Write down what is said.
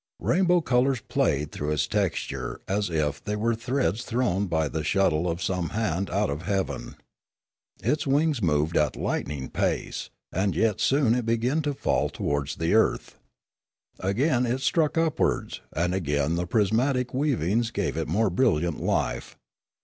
Rainbow colours played through its texture as if they were threads thrown by the shuttle of some hand out of heaven. Its wings moved at lightning pace, and yet soon it began to fall towards the earth. Again it struck upwards, and again the prismatic weavings gave it more brilliant life.